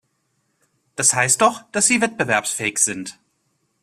Das heißt doch, dass sie wettbewerbsfähig sind!